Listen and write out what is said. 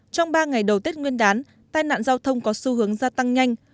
trong ba ngày đầu tết nguyên đán tai nạn giao thông có xu hướng gia tăng nhanh